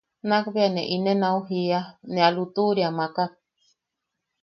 Nakbea ne inen au jiia, ne a lutuʼuria makak.